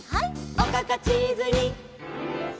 「おかかチーズにきめた！」